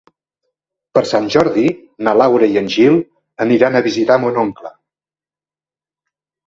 Per Sant Jordi na Laura i en Gil aniran a visitar mon oncle.